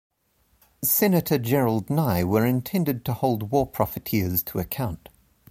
Senator Gerald Nye were intended to hold war profiteers to account.